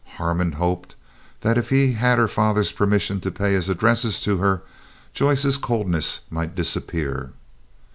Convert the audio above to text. Harmon hoped that if he had her father's permission to pay his addresses to her, Joyce's coldness might disappear.